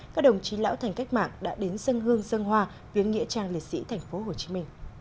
các đồng chí lão thành cách mạng đã đến dân hương dân hoa viếng nghĩa trang liệt sĩ tp hcm